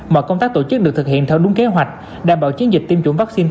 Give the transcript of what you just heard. mọi công tác tổ chức được thực hiện theo đúng kế hoạch đảm bảo chiến dịch tiêm chủng vaccine